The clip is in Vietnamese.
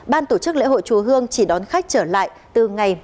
ban tổ chức lễ hội chùa hương chỉ đón khách trở lại từ ngày một mươi sáu tháng hai